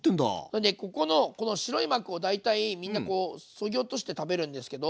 それでここのこの白い膜を大体みんなこうそぎ落として食べるんですけど。